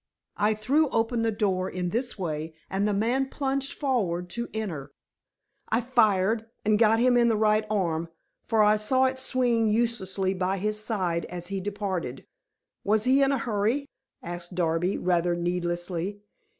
I threw open the door in this way and the man plunged forward to enter. I fired, and got him in the right arm, for I saw it swinging uselessly by his side as he departed." "Was he in a hurry?" asked Darby, rather needlessly.